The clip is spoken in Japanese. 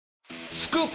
スクープ！